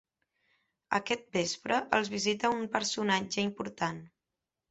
Aquest vespre els visita un personatge important.